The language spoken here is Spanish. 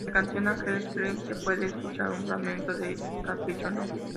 En la canción "Angels Cry" se puede escuchar un fragmento del capricho no.